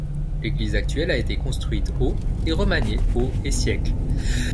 L'église actuelle a été construite au et remaniée aux et siècles.